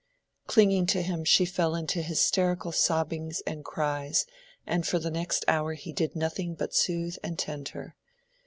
Clinging to him she fell into hysterical sobbings and cries, and for the next hour he did nothing but soothe and tend her.